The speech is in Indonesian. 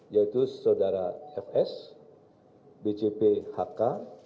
yaitu saudara fs bcp hk